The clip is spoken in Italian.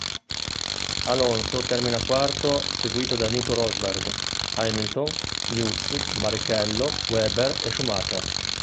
Alonso termina quarto seguito da Nico Rosberg, Hamilton, Liuzzi, Barrichello, Webber e Schumacher.